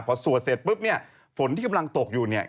พอสวดเสร็จปุ๊บเนี่ยฝนที่กำลังตกอยู่เนี่ย